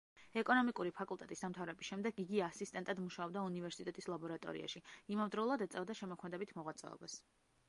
ეკონომიკური ფაკულტეტის დამთავრების შემდეგ იგი ასისტენტად მუშაობდა უნივერსიტეტის ლაბორატორიაში, იმავდროულად ეწეოდა შემოქმედებით მოღვაწეობას.